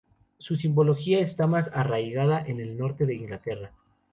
Su simbología está más arraigada en el norte de Inglaterra.